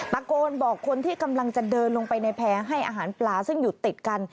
ตะโกนบอกคนที่กำลังจะเดินลงไปในแพร่ให้อาหารปลาซึ่งอยู่ติดกัน